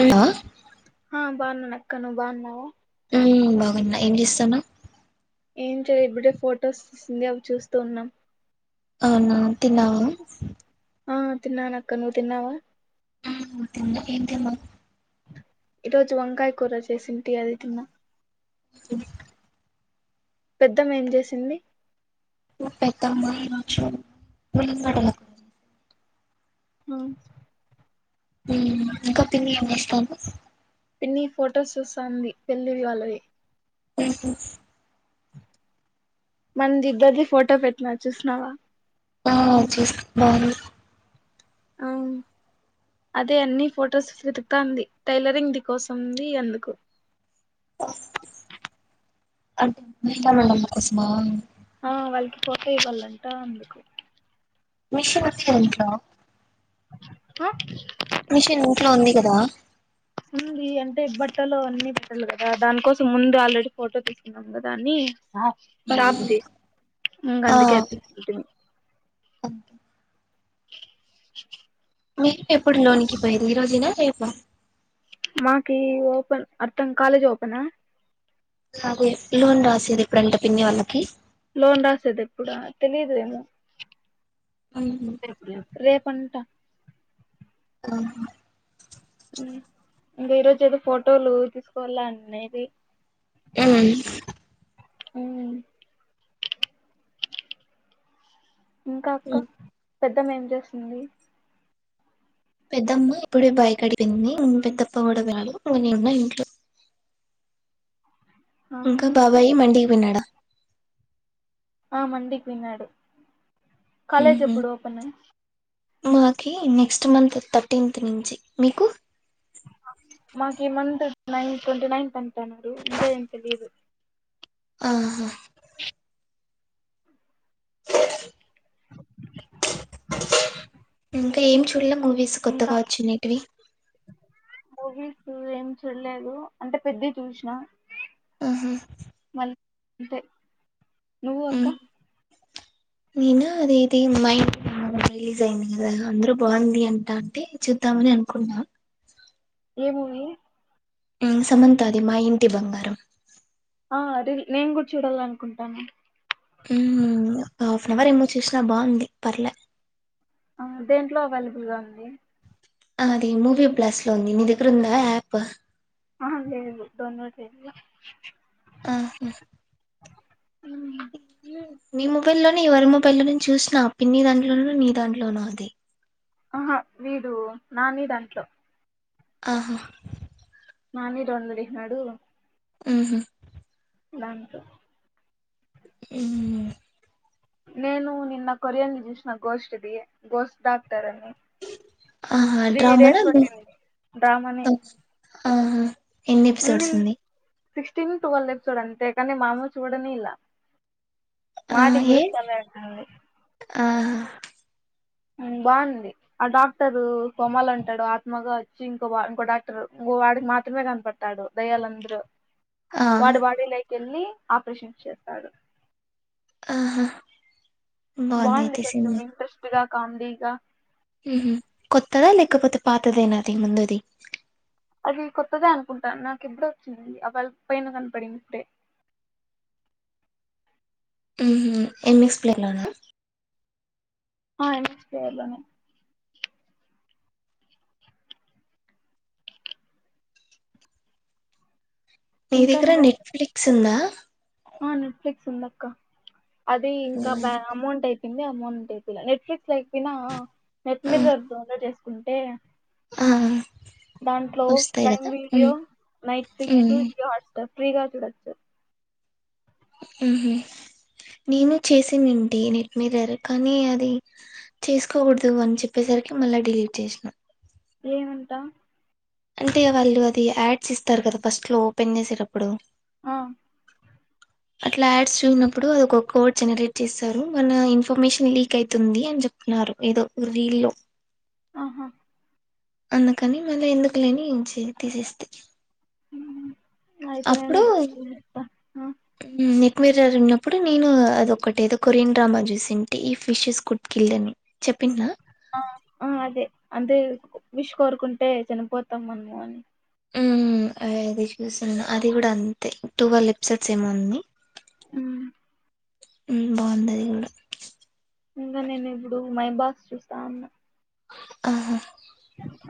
ఆ ఆ బాగునాన్న అక్క నువ్వు బాగున్నావ ఉం బాగున్నా ఏం చేస్తాన్నావ్ ఏం చే ఇప్పుడే ఫొటోస్ తీస్తుంది అవి చూస్తూ ఉన్నాం అవునా తిన్నావా ఆ తిన్నాను అక్క నువ్వు తిన్నావా తన్న ఏంటిమ్మా [unintelligible] ఈరోజు వంకాయ కూర చేసింటి అది తిన్న హుమ్ [inaudible] పెద్దమ్మ ఏం చేసింది పెక్క మాక్ష ఉలి మటలకు [inaudible] ఆ ఇంకా పిన్ని ఏం చేస్తున్నారు పిన్ని ఫొటోస్ చూస్తాంది పెళ్లివి వాళ్ళవి హు హుమ్ మనది ఇద్దరిది ఫోటో పెట్టినా చూసినవా ఆ చూసా బాగుంది అవును అదే అన్ని ఫొటోస్ వెతుకుతంది టైలరింగ్ ది కోసంది అందుకు అంటే మలా మళ మా కోసమా [unintelligible] ఆ వాళ్ళకి ఫోటో ఇవ్వాలంట అందుకు మిషన్ ఉంది గద ఇంట్లో హా మిషన్ ఇంట్లో ఉంది కదా ఉంది అంటే బట్టలు అన్ని బట్టలు కదా దానికోసం ముందు ఆల్రెడీ ఫోటో తీసుకున్నాం కదా అని ఆ షాప్ ది ఇంగ ఆ అందుకే [inaudible] ఆ, మీకు ఎప్పుడు లోనికి పోయింది ఈ రోజెనా రేపా మాకి ఓపన్ అతం కాాలేజ్ ఓపన్ [unintelligible] నాకు ఇంటి లోన్ రాసేది ఎప్పుడంట పిన్ని వాళ్ళకి లోన్ రాసేది ఎప్పుడా తెలిదుమో ఉమ్ రేపు కుంటా ఆహ ఉం ఇంగ ఈరోజు ఏదో ఫోటోలు తీసుకోవాల అనేది [inaudible] ఉం ఇంకా అక్క పెద్దమ్మ ఏం చేస్తుంది పెద్దమ్మ ఇప్పుడే బాయ క అడిపోయింది ఇ పెద్దప్ప కూడా వెళ్ళి ఇ నిేన్న ఇంట్లో [unintelligible] ఆ ఇంకా బాబాయి మండికి విన్నాడా [unintelligible] ఆ మండికి పోయిన్నాడు కాలేజ్ ఉహు ఎప్పుడు ఓపెన్ మాకి నెక్స్ట్ మంత్ థర్టీన్త్ నుంచి మీకు మాకు ఈ మంత్ నైన్ ట్వంటీ నైన్త్ అంటున్నారు ఇంకా ఏం తెలియదు ఆహా ఇంకా ఏం చూడలే మూవీస్ ఇంకా కొత్తగా వచ్చినే టివి మూవీస్ ఏం చూడలేదు అంటే పెద్ది చూసినా ఆహా అంతే నువ్వు అక్క నేనా అదే ఇది మై రిలీజ్ అయింది కదా అందరు బాగుంది అంట అంటే చూద్దామని అనుకున్నా ఏ మువి సమంతాది మా ఇంటి బంగారం ఆ రి నేను కూడా చూడాలనుకుంటాన మ్ హాఫ్ అన్ అవర్ ఏమో చూసినా బాగుంది పర్లే అ దేంట్లో అవైలబుల్గా ఉంది అది మూవీ బ్లాస్ లో ఉంది నీ దగ్గర ఉందా యాప్ ఆ లేేదు డౌన్లోడ్ ఆహ మ్ మీీ మొబై లోనే ఎవరి మొబై లోనో చూసినా పిన్ని దాంట్లో నీ దాంట్లోనో అది ఆహా వీడు నాని దాంట్లో ఆహ ననిీ డౌన్లోడ్ చేసినాడు మ్ హు దాంట్లో మ్ నేను నిన్న కొరియన్ది చుసిన గోస్ట్ ది గోస్ట్ దాన్ ారని ఆహా త్రీ డేస్ డ్రామానా పట్టింది డ్రామనే ఆహా ఎన్ని ఎపిసోడ్స్ ఉంది సిక్స్టీన్ ట్వెల్వ్ ఆపిసోడ్స్ అంతే కానీ మామ్మ చూడనిలే ఆ మాది ఏ గిల్స్ [unintelligible] ఆహా మ్ బాగుంది ఆ డాక్టరు కొమల్ అంటాడు ఆత్మగా వచ్చి ఇంకో బా ఇంకో డాక్టర్ వాడికి మాత్రమే కనపడ్తాడు దయ్యాలందరూ ఆ వాడి వాడిలోైకేళ్ళి ఆపరేషన్స్ చేస్తాడు ఆహా బాగుంది కొంచం ఇంట్రెస్ట్గా కామిడిగా మ్ హు కొత్తదా లేకపోతే పాతదేనా అది ముందుది అది కొత్తదే అనుకుంటా నాకు ఎప్పుడే వచ్చింది అ వాల్ పైన కనపడింది ఇప్పుడే మ్ హు ఏ మిక్స్ ప్లేట్ లోనా ఆ ఎం స్ ప్లేర్లోనే నీ ఇంకా దగ్గర నువ్వే నెట్ఫ్లిక్స్ ఉందా ఆ నెట్ఫ్లిక్స్ ఉందక్క అది ఇంకా ఉమ్. బ అమౌంట్ ఎ పోఇంది అమౌంట్ ఎపిలే నెట్ఫ్లిక్స్ లేకపోనా ఆ నెట్ ఉమ్. మీర్ర్ డౌన్లోడ్ చేసుకుంటే ఆ దాంట్లో వస్తాయి ప్రైమ్ కదా వీడియో ఉమ్ నెట్ ఫ్లిక్స్ ఉమ్ జియో వాట్స్ప్ ఫ్రీ గా చుడొచ్చు మ్ హు నేను చేసిందింతే నెట్ మిర్రర్ కానీ అది చేసుకోకూడదు అని చెప్పేసి సరికి మళ్ళ డిలీట్ చేసినా ఏమంటా అంటే వాళ్ళు అది యాడ్స్ ఇస్తారు కదా ఫస్ట్ లో ఓపెన్ చేసేటప్పుడు ఆ అట్లా యాడ్స్ చూడనప్పుడు అది ఒక కోడ్ జనరేట్ చేస్తారు మన ఇన్ఫర్మేషన్ లీక్ అవుతుంది అని చెప్ న్నారు ఏదో రీల్లో ఆహా అందుకని మళ్ళీ ఎందుకులే అని తి తీసేస్తి అ ఆయితే నేను డిలీట్ చేసేస్తా ఆ మీర్రర్ ఉన్నప్పుడు నేను అదొటి ఎదో కొరియన్ డ్రామా చూసింటి ఈ ఫిషెస్ కుడ్కిిల్ని ఆ ఆ అదే అదే విష్ కోరుకుంటే చనిపోతాం మనము అని మ్ అది చూసను అది కూడా అంతే టూవేలే ఎపిసోడ్స్ ఏమో ఉన్నాయ్ ఉమ్. ఊ బాగుండది ఇప్పుడు. ఇంకా నేను ఇప్పుడు మై బాస్ చూస్తా ఉన్నా. ఆహా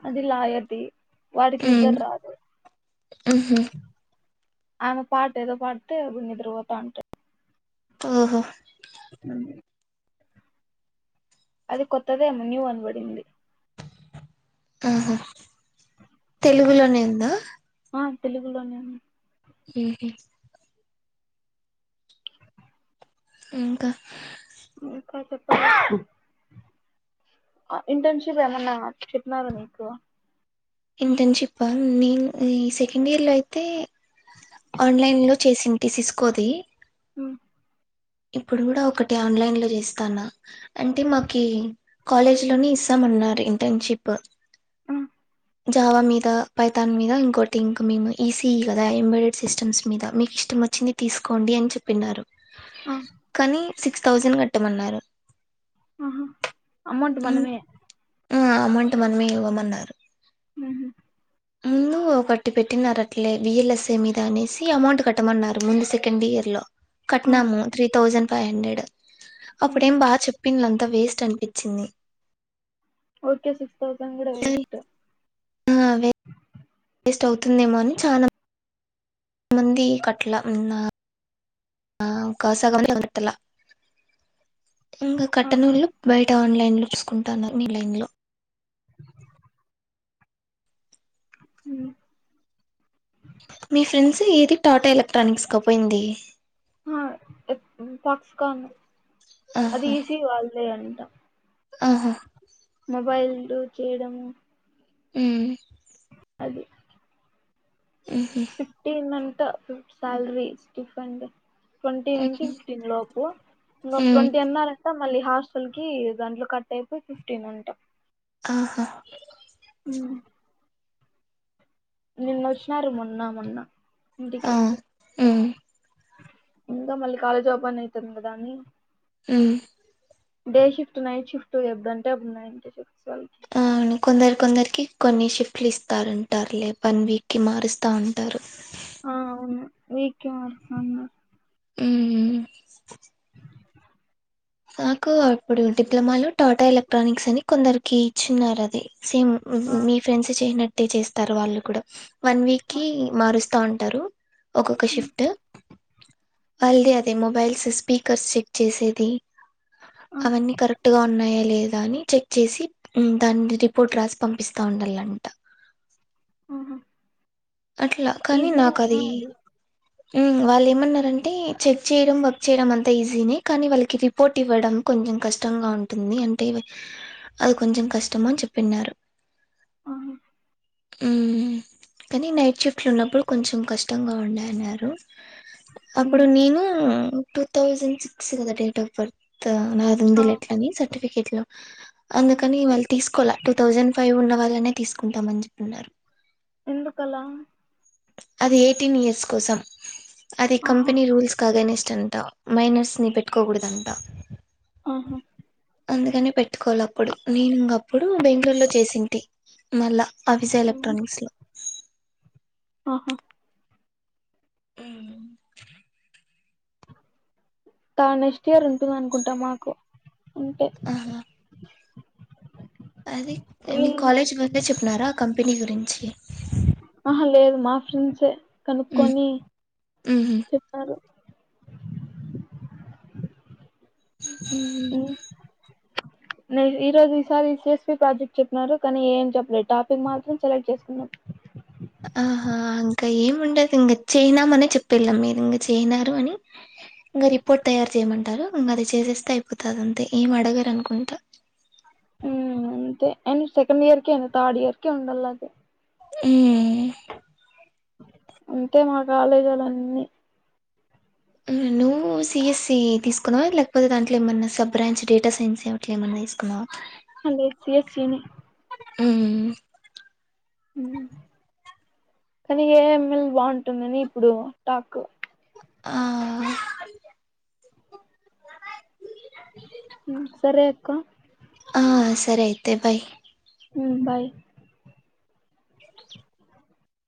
అది లాయర్ది. వాడికి మ్మ్ నిద్దర్ రాదు. మ్హూ ఆమె పాట్ ఏదో పాడితే అప్పుడు నిద్ర పోతాంటే ఓహో ఊ అది కొత్తదేమో న్యూ అని పడింది. ఆహా, తెలుగులోనే ఉందా. ఆ తెలుగులోనే ఉం. సరే ఇంకా ఇంకా చెప్పాలి. అ ఇంటర్న్షిప్ ఏమన్నా చెప్నారా మీకు. ఇంటర్న్షిప్పా, నేన్ ఈ సెకండ్ ఇయర్ లో అయితే. ఆన్లైన్ లో చేసింటి. సిస్కోతి. ఉ ఇప్పుడు కూడా ఒకటి ఆన్లైన్ లో చేస్తాన్న. అంటే మాకి కాలేజ్ లోని ఇస్సాం. అన్నార్ ఇంటర్న్షిప్. ఆ జావా మీద, పైతాన్ మీద, ఇంకోటి ఇంకా మేము ఇ సి ఇ గదా ఎంబ్రాయిడెడ్ సిస్టమ్స్ మీద మీకు ఇష్టం. వచ్చింది తీసుకోండి, అని చెప్పిన్నారు. ఆ కానీ సిక్స్ థౌజండ్ కట్టమన్నారు. ఊహా అమౌంట్ మనమే. ఆ అమౌంట్ మనమే ఇవ్వమన్నారు. ఊహు ముందు ఒకటి పెట్టినారట్లె విఎల్ఎస్ఏ మీద అనేసి అమౌంట్ కట్టమన్నారు, ముందు సెకండ్ ఇయర్ లో. ఆ కట్నాము, త్రీ థౌజండ్ ఫైవ్ హండ్రెడ్ ఉహు అప్పుడేం బాగా చెప్పిందంతా వేస్ట్ అనిపి. చింది. ఓకే సిక్స్ తౌసండ్ కూడా వేస్ట్. ఆ వేస్ట్ అవుతుందేమో అని చానా. మంది కట్లా ఉన్నా. ఆ కాస [inaudible] గట్టల, ఇంగ ఆహా కట్టనోళ్ళు బయట. న్లైన్ లో చూసుకుంటాన్నారు. మీ లైన్ లో. ఊ మీ ఫ్రెండ్స్ ఏది టాటా ఎలక్ట్రానిక్స్కా పోయింది. ఆ ఎప్ ఫక్స్కాన్ అది ఆహా ఈసిఈ వాళ్ళదే అన్. ఆహా మొబైల్లు చేయడము. ఊ అది. ఉహు ఫిఫ్టీన్నంట ఫ్ సాల్రీ స్టీఫన్డ్. ట్వంటీ నుంచి ఉమ్ ఫిఫ్టీన్ లోపు, ఇంకో ఉమ్, ట్వంటీ అన్నార్ అంట. మళ్ళీ హాస్టల్ కి దాంట్లో కట్ అయిపోయి ఫిఫ్టీన్ అంట. ఆహ. నిన్నొచ్చినారు, మొన్న మొన్న ఇంటికి. ఊ ఇంగ మళ్ళీ కాలేజ్ ఓపెన్ ఐతాంది గదా అని. ఊ డే షిఫ్ట్ నట్ షిఫ్ట్ ఎబ్డంటే అప్డు నైంటీ షిఫ్ట్స్ వాళ్ళక్. ఆ అని కొందరు కొందరికి కొన్ని షిఫ్ట్లు ఇస్తారటారు లే వన్ వీక్కి మారుస్తా ఉంటారు ఆ అవును [unintelligible] అ నాకు ఇప్పుడు డిప్లొమాలో టాటా ఎలక్ట్రానిక్స్ అని కొందరికి ఇచ్చిన్నారు అది సేమ్ ఆ, మీ ఫ్రెండ్స్ చేయనట్టే చేస్తారు వాళ్ళు కూడా వన్ వీక్కి మారుస్తా ఉంటారు ఒక్కొక్క షిఫ్ట్ వల్ది అదే మొబైల్స్ స్పీకర్స్ చెక్ చేసేది ఆ, అవన్నీ కరెక్ట్ గా ఉన్నాయి లేదా అని చెక్ చేసి దాని రిపోర్ట్ రాసి పంపిస్తా ఉండాలంట ఆహా అట్ల కాని ఈజీగా నాకది వాళ్ళు ఏమన్నారంటే చెక్ చేయడం వర్క్ చేయడం అంత ఈజీనే కానీ వాళ్ళకి రిపోర్ట్ ఇవ్వడం కొంచెం కష్టంగా ఉంటుంది అంటే అది కొంచెం కష్టం అని చెప్పిన్నారు ఆ హు కానీ నైట్ షిఫ్ట్ లో ఉన్నప్పుడు కొంచెం కష్టంగా ఉండ అన్నారు అప్పుడు ఉమ్. నేను టూ థౌజండ్ సిక్స్ కదా డేట్ ఆఫ్ బర్త్ ఆ, ఉమ్. [unintelligible] వాళ్ళనే తీసుకుంటామని చెప్తున్నారు ఎందుకలా అది ఎయిటీన్ ఇయర్స్ కోసం అది ఆహా, కంపెనీ రూల్స్ కాగనే [unintelligible] మైనర్స్ ని పెట్టుకోకూడదంట ఆహా అందుకని పెట్టుకోల అప్పుడు నేను ఇంగ అప్పుడు బెంగళూరు లో చేసింటి మళ్ళా ఆ విజయ్ ఉమ్. ఎలక్ట్రానిక్స్లో ఆహా హు [unintelligible] నెక్స్ట్ ఇయర్ ఉంటుంది అనుకుంట మాకు ఉంటే ఆహా అది మీ కాలేజ్ ముందే చెప్పినారా ఆ కంపెనీ గురించి లేదు మా ఫ్రెండ్సే మ్ కనుక్కొని మ్హు చెప్పారు ఉమ్. అ [inaudible] నే ఈ రోజు ఈసారి సిఎస్పి ప్రాజెక్ట్ చెప్పిన కానీ ఏం చెప్పలేదు టాపిక్ మాత్రం సెలెక్ట్ చేసుకున్నాం ఆహా ఇంకా ఏముండదు ఇంకా చేయనాం అనే చెప్పెళ్ళం మీరు ఇంక చేయనారు అని ఇంకా రిపోర్ట్ తయారు చేయమంటారు ఇంకా అది చేసేస్తే అయిపోతాది అంతే ఏమి అడగరు అనుకుంటా [inaudible] అ ఏంది సెకండ్ ఇయర్కే థర్డ్ ఇయర్కే ఉండలా అది ఆ అంతే మా కాలేజొల్లు అన్నీ [inaudible] నువ్వు సిఎస్ఈ తీసుకున్నావా లేకపోతే దాంట్లో ఏమన్నా సబ్ బ్రాంచ్ డేటా సైన్స్ అట్లా ఏమైన్నా తీసుకున్నావా ఆ లేదు సి ఎస్ ఈ నే కానీ ఏ ఐ ఎం ఎల్ బాగుంటుందని ఇప్పుడు టాక్ ఆ సరే అక్క ఆ సరే అయితే బాయ్ హు బాయ్